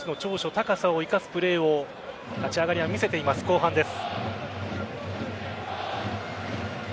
高さを生かすプレーを立ち上がりは見せています後半です。